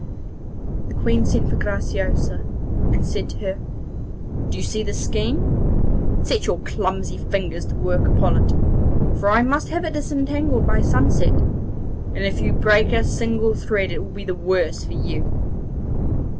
The Queen sent for Graciosa, and said to her: 'Do you see this skein? Set your clumsy fingers to work upon it, for I must have it disentangled by sunset, and if you break a single thread it will be the worse for you.